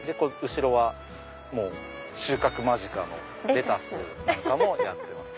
後ろは収穫間近のレタスなんかもやってます。